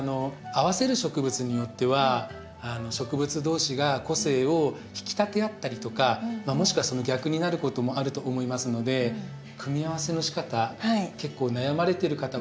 合わせる植物によっては植物同士が個性を引き立て合ったりとかもしくはその逆になることもあると思いますので組み合わせのしかた結構悩まれてる方は多いかもしれないですね。